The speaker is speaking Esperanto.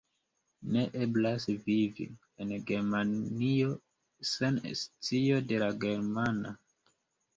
Ne eblas vivi en Germanio sen scio de la germana!